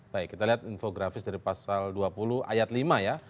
baik kita lihat infografis dari pasal dua puluh ayat lima ya